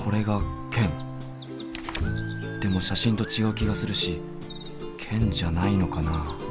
でも写真と違う気がするしケンじゃないのかな？